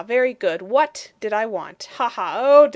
Very good. WHAT did I want. Ha, ha.